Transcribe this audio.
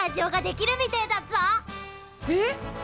えっ！？